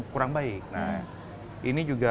kurang baik nah ini juga